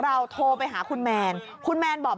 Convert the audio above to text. เลี้ยงเลี้ยงเลี้ยงเลี้ยง